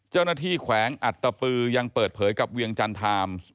เจ้าหน้าที่แขวงอัดตะปืยังเปิดเผยกับเวียงจันทร์ไทมส์